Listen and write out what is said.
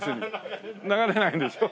流れないんでしょ？